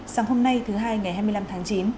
sáng hôm nay thứ hai ngày hai mươi năm tháng chín